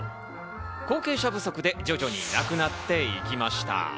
後継者不足で徐々になくなっていきました。